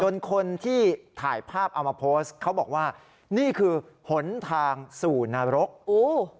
คนที่ถ่ายภาพเอามาโพสต์เขาบอกว่านี่คือหนทางสู่นรกโอ้